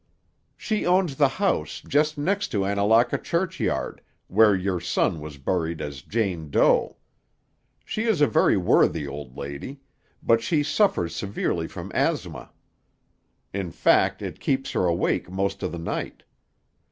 "She owns the house just next to Annalaka churchyard, where your son was buried as Jane Doe. She is a very worthy old lady. But she suffers severely from asthma. In fact it keeps her awake most of the night.